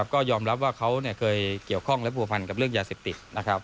ก็ยอมรับว่าเขาเคยเกี่ยวข้องและผัวพันกับเรื่องยาเสพติด